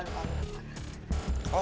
kalau nggak ada kalau nggak ada